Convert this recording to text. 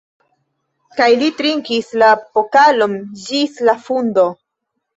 Kaj li trinkis la pokalon ĝis la fundo.